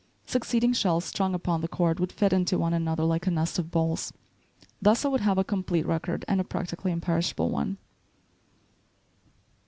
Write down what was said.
Succeeding shells strung upon the cord would fit into one another like a nest of bowls. Thus I would have a complete record, and a practically imperishable one.